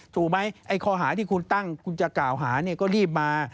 ถูกไหมไอ้ข้อหาที่คุณตั้งคุณจะกล่าวหาเนี่ยก็รีบมา